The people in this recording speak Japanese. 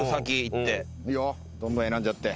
いいよどんどん選んじゃって。